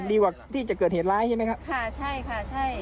ดีกว่าที่จะเกิดเหตุร้ายใช่ไหมครับค่ะใช่ค่ะใช่